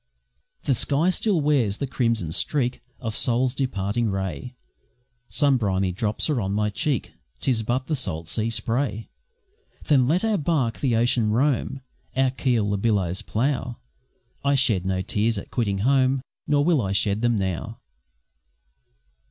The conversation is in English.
The sky still wears the crimson streak Of Sol's departing ray, Some briny drops are on my cheek, 'Tis but the salt sea spray! Then let our barque the ocean roam, Our keel the billows plough; I shed no tears at quitting home, Nor will I shed them now!